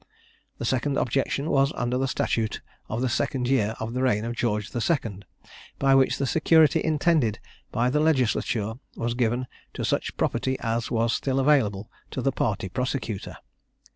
The second objection was under the statute of the second year of the reign of George II. by which the security intended by the legislature was given to such property as was still available to the party prosecutor.